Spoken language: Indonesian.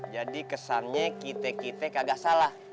jadi kesannya kita kita kagak salah